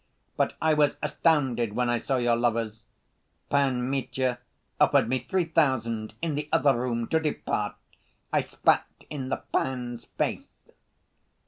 But I was astounded when I saw your lovers. Pan Mitya offered me three thousand, in the other room to depart. I spat in the pan's face."